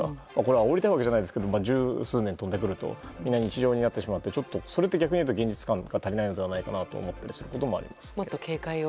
煽りたいわけじゃないですけど十数年、飛んでくるとみんな日常になってしまってそれは逆に現実感が足りないのではないかと思います。